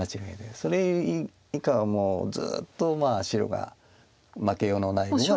それ以下はもうずっと白が負けようのない碁が。